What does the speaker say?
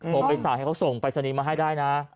โทรไปส่งให้เขาส่งไปสนิมมาให้ได้นะ